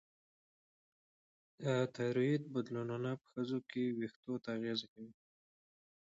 د تایروییډ بدلونونه په ښځو کې وېښتو ته اغېزه کوي.